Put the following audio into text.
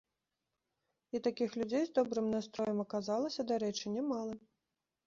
І такіх людзей з добрым настроем аказалася, дарэчы, нямала.